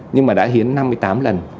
nhưng mà đã hiến năm mươi tám lần